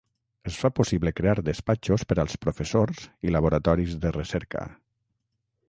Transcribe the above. Es fa possible crear despatxos per als professors i laboratoris de recerca.